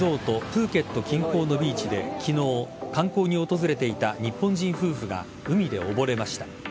プーケット近郊のビーチで昨日観光に訪れていた日本人夫婦が海で溺れました。